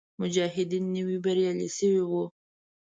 مجاهدین نوي بریالي شوي وو.